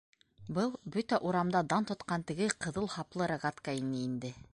Был - бөтә урамда дан тотҡан теге ҡыҙыл һаплы рогатка ине инде.